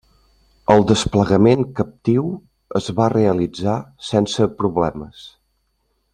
El desplegament captiu es va realitzar sense problemes.